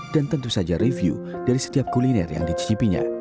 dan tentu saja review dari setiap kuliner yang dicicipinya